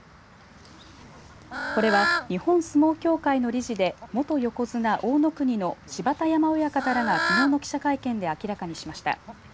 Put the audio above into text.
これは日本相撲協会の理事で元横綱大乃国の芝田山親方らがきのうの記者会見で明らかにしました。